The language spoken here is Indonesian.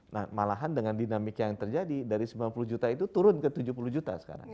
nah malahan dengan dinamika yang terjadi dari sembilan puluh juta itu turun ke tujuh puluh juta sekarang